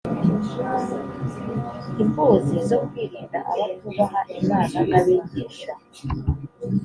Imbuzi zo kwirinda abatubaha Imana n abigisha